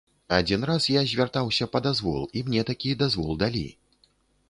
Адзін раз я звяртаўся па дазвол, і мне такі дазвол далі.